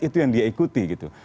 itu yang dia ikuti gitu